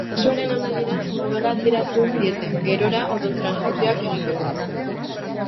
Prozesuaren amaieran odola ateratzen zieten, gerora odol-transfusioak egiteko.